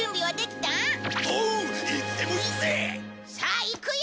さあ行くよ！